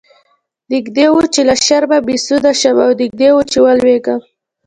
نږدې و چې له شرمه بې سده شم او نږدې و چې ولويږم.